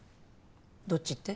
どっちって？